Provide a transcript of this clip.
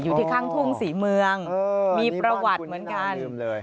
อยู่ที่ข้างทุ่งศรีเมืองมีประวัติเหมือนกัน